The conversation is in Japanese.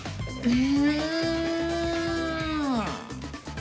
え？